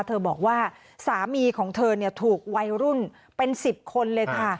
เธอบอกว่าสามีของเธอเนี่ยถูกวัยรุ่นเป็นสิบคนเลยค่ะ